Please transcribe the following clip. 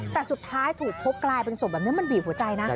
แต่สุดท้ายถูกพบกลายเป็นศพแบบนี้มันบีบหัวใจนะ